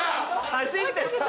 ・走ってた。